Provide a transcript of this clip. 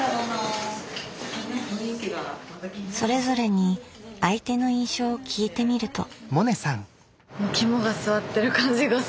それぞれに相手の印象を聞いてみると。